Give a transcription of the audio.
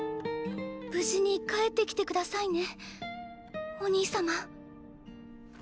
無事に帰ってきて下さいねお兄様。